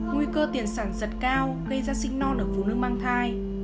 nguy cơ tiền sản giật cao gây ra sinh non ở phụ nữ mang thai